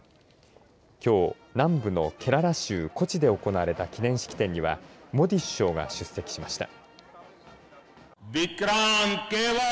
きょう南部のケララ州コチで行われた記念式典にはモディ首相が出席しました。